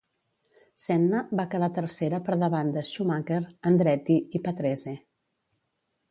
Senna va quedar tercera per davant de Schumacher, Andretti i Patrese.